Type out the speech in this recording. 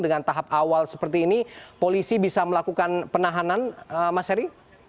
dengan tahap awal seperti ini polisi bisa melakukan penahanan mas heri